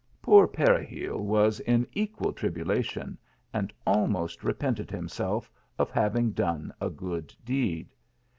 Poor Peregil was in equal tribulation, and almost repented himself of having done a good deed.